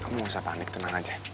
kamu gak usah panik tenang aja